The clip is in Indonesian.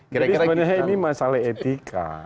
jadi sebenarnya ini masalah etika